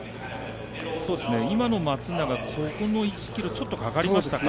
今の松永、ここの１ｋｍちょっとかかりましたか。